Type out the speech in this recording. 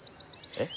えっ！